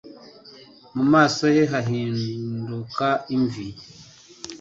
mu maso he harahinduka imvi